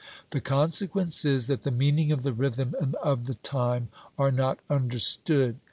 The consequence is, that the meaning of the rhythm and of the time are not understood.